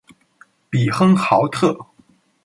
比亨豪特。